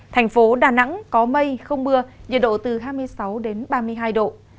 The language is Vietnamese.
thành phố đà nẵng có mây không mưa nhiệt độ từ hai mươi sáu đến ba mươi hai độ